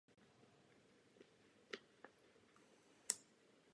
Byl zakladatelem a předsedou Australské akademie věd.